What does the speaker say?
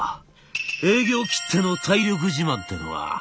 営業きっての体力自慢ってのは。